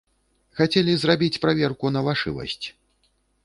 Хацелі зрабіць праверку на вашывасць.